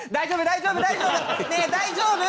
大丈夫？ねえ大丈夫？